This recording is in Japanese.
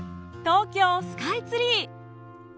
東京スカイツリー。